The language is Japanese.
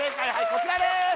こちらです